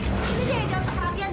ini dia yang jauh jauh perhatian